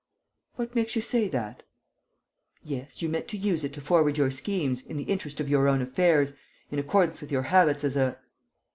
"What makes you say that?" "Yes, you meant to use it to forward your schemes, in the interest of your own affairs, in accordance with your habits as a...."